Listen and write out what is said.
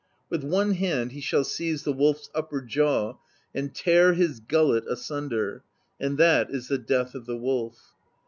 With one hand he shall seize the Wolf's upper jaw and tear his gullet asunder; and that is the death of the Wolf.